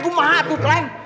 kumaha tuh leng